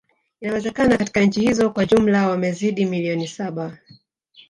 Inawezekana katika nchi hizo kwa jumla wamezidi milioni saba